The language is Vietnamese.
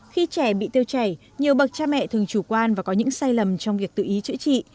khi trẻ bị tiêu chảy nhiều bậc cha mẹ thường chủ quan và có những sai lầm trong việc tự ý chữa trị